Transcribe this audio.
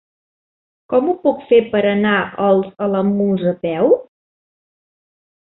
Com ho puc fer per anar als Alamús a peu?